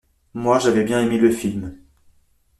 Moi j'avais bien aimé le film.